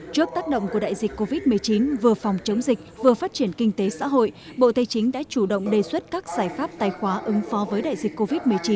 trước tác động của đại dịch covid một mươi chín vừa phòng chống dịch vừa phát triển kinh tế xã hội bộ tây chính đã chủ động đề xuất các giải pháp tài khoá ứng phó với đại dịch covid một mươi chín